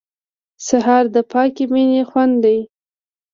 سهار د پاکې مینې خوند دی.